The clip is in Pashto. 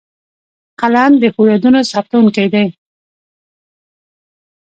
قلم د ښو یادونو ثبتوونکی دی